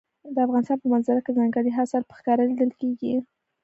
د افغانستان په منظره کې ځنګلي حاصلات په ښکاره لیدل کېږي.